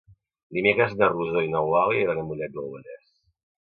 Dimecres na Rosó i n'Eulàlia iran a Mollet del Vallès.